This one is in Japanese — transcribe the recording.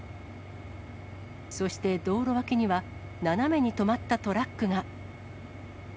そして道路脇には斜めに止まったトラックが。